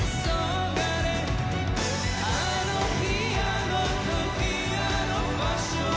「あの日あの時あの場所で」